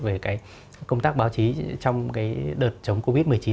về công tác báo chí trong đợt chống covid một mươi chín